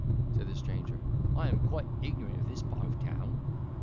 said the stranger; "I am quite ignorant of this part of the town."